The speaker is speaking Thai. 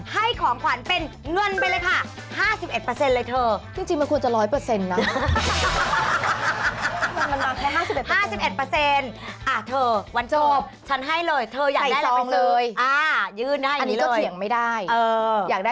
ให้ของขวัญเป็นเงินไปเลยค่ะ